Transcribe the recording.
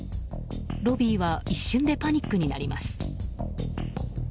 ロビーは一瞬でパニックになります。